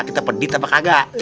kita pedit apa kagak